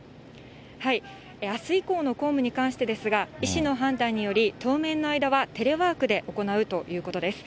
あす以降の公務に関してですが、医師の判断により、当面の間はテレワークで行うということです。